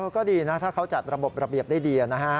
ก็ดีนะถ้าเขาจัดระบบระเบียบได้ดีนะฮะ